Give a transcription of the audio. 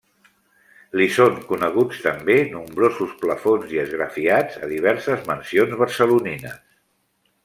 Li són coneguts també nombrosos plafons i esgrafiats a diverses mansions barcelonines.